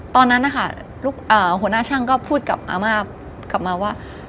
ตอนนั้นนะคะหัวหน้าช่างก็พูดกับอาม่ากลับมาว่า